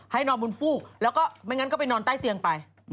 ให้นอนบนฟูกไม่งั้นก็ไปนอนใต้เตียงไป